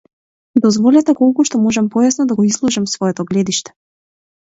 Дозволете колку што можам појасно да го изложам своето гледиште.